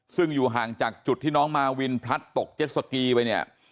ซึ่งอยู่ห่างจากจุดที่น้องมาวินพลัดตกเจ็ดสกีไปเนี่ย